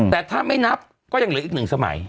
แต่ถ้าไม่นับก็ยังเหลืออีก๑สมัย